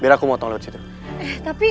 aku mau lewat sana